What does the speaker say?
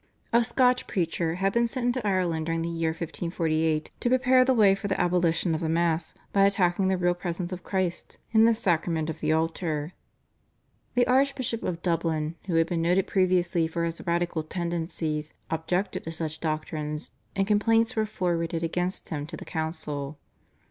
A Scotch preacher had been sent into Ireland during the year 1548 to prepare the way for the abolition of the Mass by attacking the Real Presence of Christ in the Sacrament of the Altar. The Archbishop of Dublin, who had been noted previously for his radical tendencies, objected to such doctrines, and complaints were forwarded against him to the council.